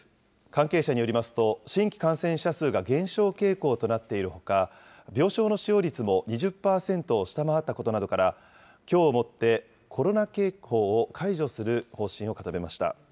関係者によりますと、新規感染者数が減少傾向となっているほか、病床の使用率も２０％を下回ったことなどから、きょうをもって、コロナ警報を解除する方針を固めました。